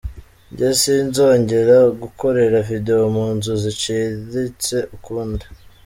Njye sinzongera gukorera video mu nzu ziciritse ukundi”.